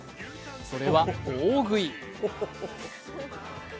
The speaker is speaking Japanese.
それは、大食い。